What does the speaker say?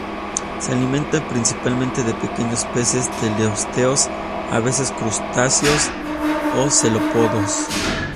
Se alimenta principalmente de pequeños peces teleósteos, a veces crustáceos y cefalópodos.